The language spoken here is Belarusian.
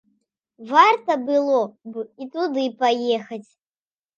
Варта было б і туды паехаць.